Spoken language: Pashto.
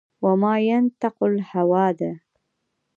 و ما ینطق الهوا ده